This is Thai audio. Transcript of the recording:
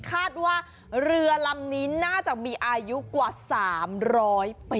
คาดว่าเรือลำนี้น่าจะมีอายุกว่า๓๐๐ปี